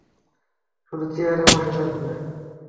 শুধু চেয়ারে বসে থাকবে।